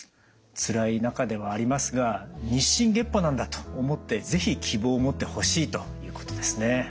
つらい中ではありますが日進月歩なんだと思って是非希望を持ってほしいということですね。